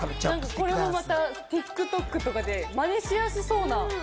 これもＴｉｋＴｏｋとかで、マネしやすそうな。